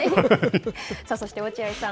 さあそして落合さん